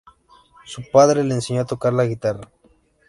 Su padre le enseñó a tocar la guitarra.